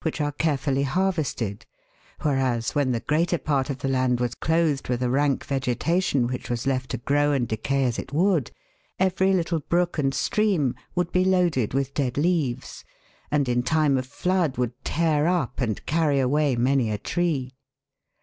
which are carefully harvested, whereas, when the greater part of the land was clothed with a rank vegetation which was left to grow and decay as it would, every little brook and stream would be loaded with dead leaves, and in time of flood would tear up and carry away many a tree.